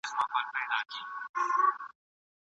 اقتصاد پوهنځۍ په خپلسري ډول په څانګو نه ویشل کیږي.